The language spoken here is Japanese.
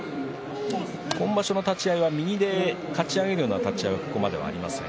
今場所の立ち合いは右でかち上げるような立ち合いではここまでありません。